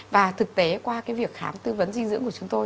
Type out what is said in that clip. và thực tế qua cái việc khám tư vấn dinh dưỡng của chúng tôi